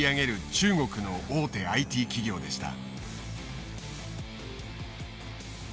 中国の大手ＩＴ企業でした。